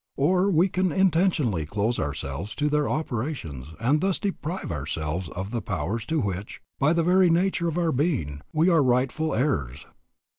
Or we can intentionally close ourselves to their operations and thus deprive ourselves of the powers to which, by the very nature of our being, we are rightful heirs.